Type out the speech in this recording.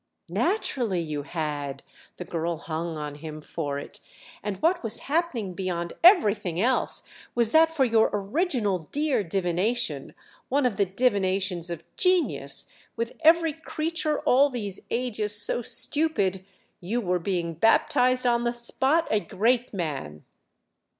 "Naturally you had!"—the girl hung on him for it; "and what was happening beyond everything else was that for your original dear divination, one of the divinations of genius—with every creature all these ages so stupid—you were being baptized on the spot a great man."